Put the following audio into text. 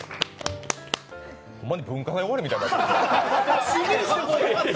ほんまに文化祭終わりみたいな感じやな。